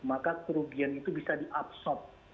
maka kerugian itu bisa diabsorb